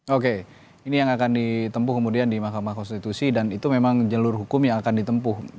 oke ini yang akan ditempuh kemudian di mahkamah konstitusi dan itu memang jalur hukum yang akan ditempuh